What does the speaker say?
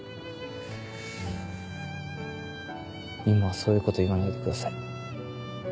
今そういうこと言わないでください。